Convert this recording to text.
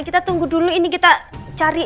kita tunggu dulu ini kita cari